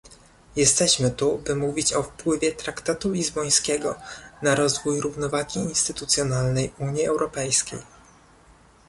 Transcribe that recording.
Jesteśmy tu, by mówić o wpływie traktatu lizbońskiego na rozwój równowagi instytucjonalnej Unii Europejskiej